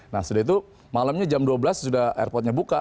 nah sudah itu malamnya jam dua belas sudah airportnya buka